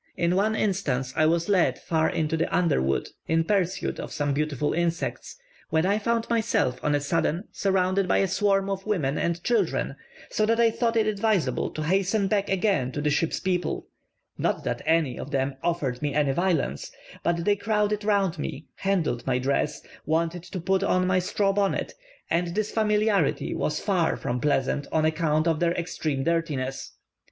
In one instance, I was led far into the underwood in pursuit of some beautiful insects, when I found myself on a sudden surrounded by a swarm of women and children, so that I thought it advisable to hasten back again to the ship's people not that any one offered me any violence; but they crowded round me, handled my dress, wanted to put on my straw bonnet; and this familiarity was far from pleasant on account of their extreme dirtiness.